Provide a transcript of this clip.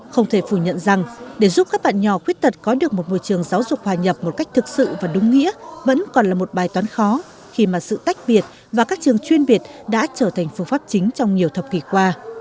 không thể phủ nhận rằng để giúp các bạn nhỏ khuyết tật có được một môi trường giáo dục hòa nhập một cách thực sự và đúng nghĩa vẫn còn là một bài toán khó khi mà sự tách biệt và các trường chuyên biệt đã trở thành phương pháp chính trong nhiều thập kỷ qua